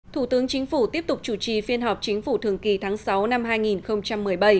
thủ tướng chính phủ tiếp tục chủ trì phiên họp chính phủ thường kỳ tháng sáu năm hai nghìn một mươi bảy